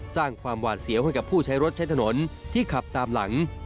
สร้างความหวาดเสียวให้กับผู้ใช้รถใช้ถนนที่ขับตามหลัง